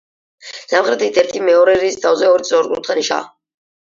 სამხრეთით, ერთი მეორის თავზე, ორი სწორკუთხა ნიშაა.